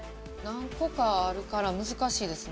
何個かあるから難しいですね。